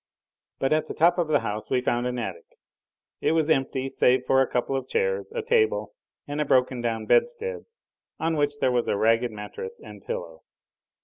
But at the top of the house we found an attic. It was empty save for a couple of chairs, a table and a broken down bedstead on which were a ragged mattress and pillow.